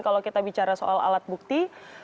kalau kita bicara soal alat bukti